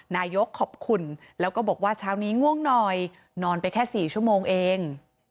นายกขอบคุณแล้วก็บอกว่าเช้านี้ง่วงหน่อยนอนไปแค่๔ชั่วโมงเอง